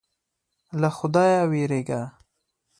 له خدایه وېرېږه.